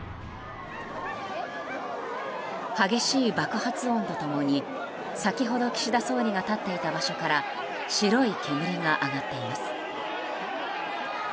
激しい爆発音と共に先ほど岸田総理が立っていた場所から白い煙が上がっています。